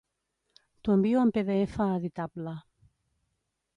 T'ho envio en pdf editable